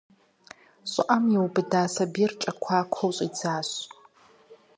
ЩӀыӀэм иубыда сабийр кӀэкуакуэу щӀидзащ.